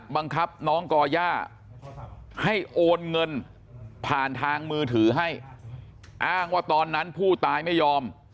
บังคับน้องก่อย่าให้โอนเงินผ่านทางมือถือให้อ้างว่าตอนนั้นผู้ตายไม่ยอม